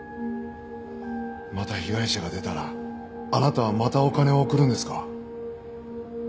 また被害者が出たらあなたはまたお金を送るんですか？